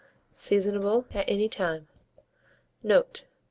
Seasonable at any time. Note.